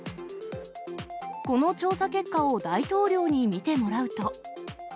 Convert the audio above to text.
この調査結果を大統領に見てもらうと。